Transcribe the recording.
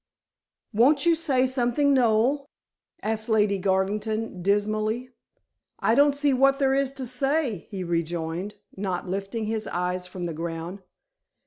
"Won't you say something, Noel?" asked Lady Garvington dismally. "I don't see what there is to say," he rejoined, not lifting his eyes from the ground.